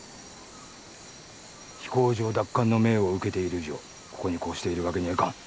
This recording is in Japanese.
飛行場奪還の命を受けている以上ここにこうしているわけにはいかん。